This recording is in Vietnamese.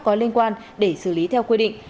có liên quan để xử lý theo quy định